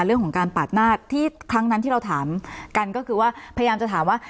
เรื่องของการปาดหน้าที่ครั้งนั้นที่เราถามกันก็คือว่าพยายามจะถามว่า